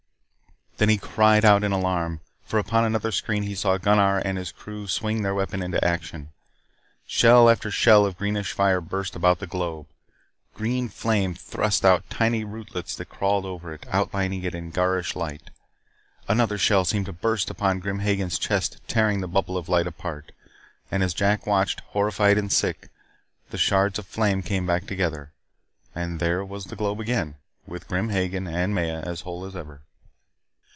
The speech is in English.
Then he cried out in alarm. For upon another screen he saw Gunnar and his crew swing their weapon into action. Shell after shell of greenish fire burst about the globe. Green flame thrust out tiny rootlets that crawled over it, outlining it in garish light. Another shell seemed to burst upon Grim Hagen's chest, tearing the bubble of light apart. And as Jack watched, horrified and sick, the shards of flame came back together. And there was the globe again with Grim Hagen and Maya as whole as ever.